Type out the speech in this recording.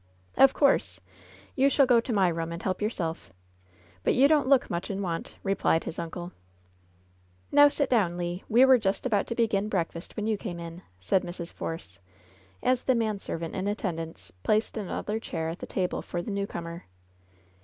^^Of course ! You shall go to my room and help your self. But you don't look much in want," replied his uncle. "Now sit down, Le. We were just about to begin breakfast when you came in," said Mrs. Force, as the manservant in attendance placed another chair at the table for the newcomer.